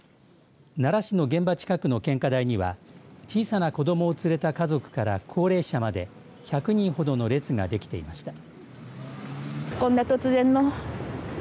奈良市の現場近くの献花台には小さな子どもを連れた家族から高齢者まで１００人ほどの列ができていました。